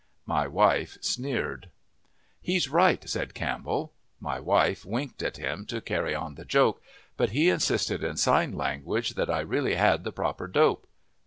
My wife sneered. "He's right," said Campbell. My wife winked at him to carry on the joke, but he insisted in sign language that I really had the proper dope.